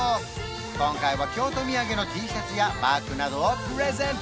今回は京都土産のＴシャツやバッグなどをプレゼント！